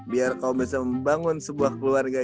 biar kau bisa membangun sebuah keluarga